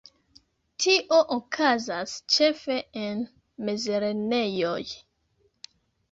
Tio okazas ĉefe en mezlernejoj.